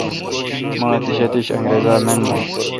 مہ اتش اتش انگرزا من بھو